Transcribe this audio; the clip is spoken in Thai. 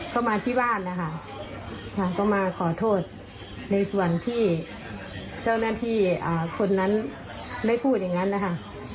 ก็มาที่บ้านนะคะก็มาขอโทษในส่วนที่เจ้าหน้าที่คนนั้นได้พูดอย่างนั้นนะคะ